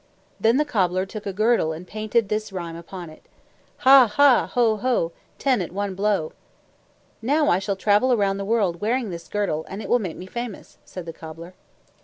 Then the cobbler took a girdle and painted this rhyme upon it: Ha, ha! Ho, ho! Ten at one blow. "Now I shall travel around the world wearing this girdle, and it will make me famous," said the cobbler.